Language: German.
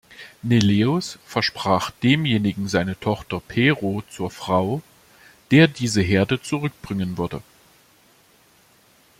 Neleus versprach demjenigen seine Tochter Pero zur Frau, der diese Herde zurückbringen würde.